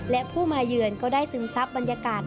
และผู้มาเยือนก็ได้ซึมซับบรรยากาศ